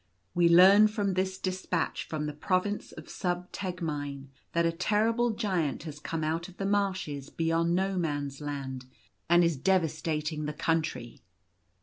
We learn from this despatch from the province of Sub Tegmine, that a terrible Giant has come out of the marshes beyond No Man's Land, and is devastating the 22 The Army Routed. country.